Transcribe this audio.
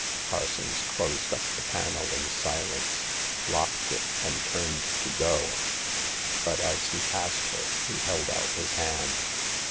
Parsons closed up the panel in silence, locked it, and turned to go. But as he passed her he held out his hand.